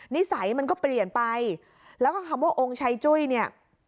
นิสัยมันก็เปลี่ยนไปแล้วก็คำว่าองค์ชัยจุ้ยเนี่ย